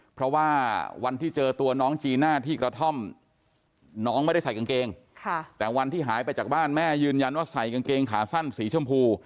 เพราะว่าวันที่เจอตัวน้องจีน่าที่กระท่อมน้องไม่ได้ใส่กางเกงแต่วันที่หายไปจากบ้านแม่ยืนยันว่าใส่กางเกงขาสั้นสีชมพู